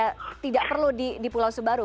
teranggapan bahwa tidak perlu di pulau sebaru